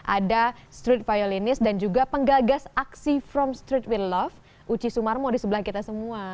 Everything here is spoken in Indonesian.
ada street violinis dan juga penggagas aksi from street with love uci sumarmo di sebelah kita semua